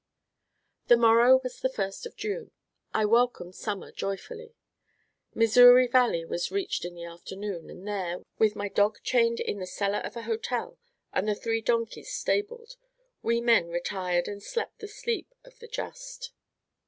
The morrow was the first of June; I welcomed summer joyfully. Missouri Valley was reached in the afternoon, and there, with my dog chained in the cellar of a hotel and the three donkeys stabled, we men retired and slept the sleep of the just.